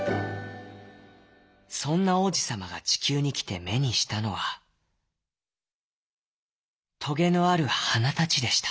そんな王子さまがちきゅうにきてめにしたのはトゲのあるはなたちでした。